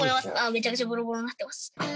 めちゃくちゃボロボロになってます。